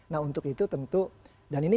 nah untuk itu tentu dan ini